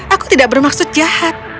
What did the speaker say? aku tidak bermaksud jahat